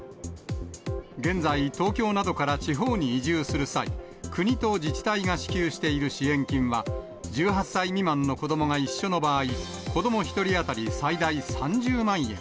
現在、東京などから地方に移住する際、国と自治体が支給している支援金は、１８歳未満の子どもが一緒の場合、子ども１人当たり最大３０万円。